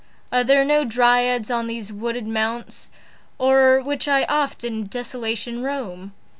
Are there no Dryads on these wooded mounts O'er which I oft in desolation roam?